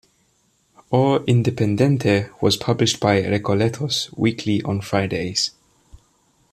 "O Independente" was published by Recoletos weekly on Fridays.